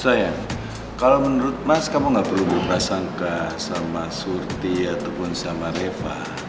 sayang kalo menurut mas kamu ga perlu berpahasangka sama surti ataupun sama reva